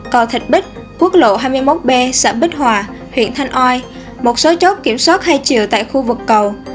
cầu thịt bích quốc lộ hai mươi một b xã bích hòa huyện thanh oai một số chốt kiểm soát hai chiều tại khu vực cầu